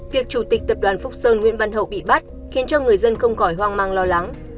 việc chủ tịch tập đoàn phúc sơn nguyễn văn hậu bị bắt khiến cho người dân không khỏi hoang mang lo lắng